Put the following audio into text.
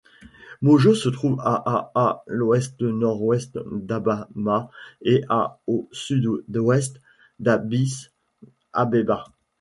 Mojo se trouve à à à l'ouest-nord-ouest d'Adama et à au sud-ouest d'Addis-Abeba.